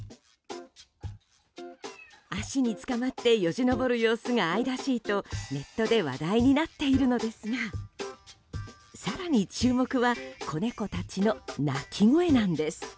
足につかまってよじ登る様子が愛らしいとネットで話題になっているのですが更に注目は子猫たちの鳴き声なんです。